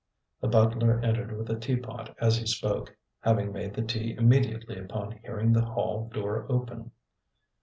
The butler entered with the tea pot as he spoke, having made the tea immediately upon hearing the hall door open.